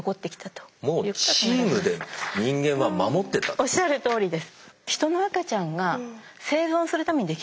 おっしゃるとおりです。